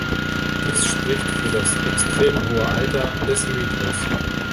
Dies spricht für das extrem hohe Alter des Mythos.